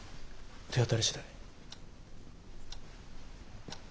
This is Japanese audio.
手当たりしだい。